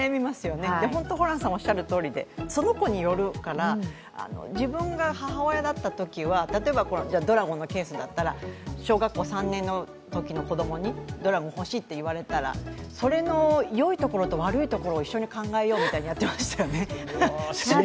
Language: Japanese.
ホランさんがおっしゃるとおりで、その子によるから自分が母親だったときは例えばドラゴンのケースだったら小学校３年のときの子供にドラゴン欲しいって言われたらそれの良いところと悪いところを一緒に考えようみたいにやってましたよね。